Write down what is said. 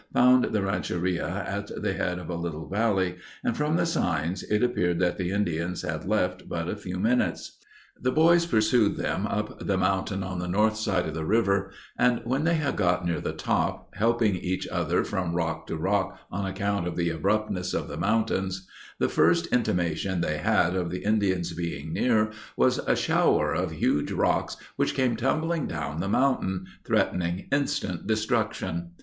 ] found the rancheria at the head of a little valley, and from the signs it appeared that the Indians had left but a few minutes. The boys pursued them up the mountain on the north side of the river, and when they had got near the top, helping each other from rock to rock on account of the abruptness of the mountains; the first intimation they had of the Indians being near was a shower of huge rocks which came tumbling down the mountain, threatening instant destruction.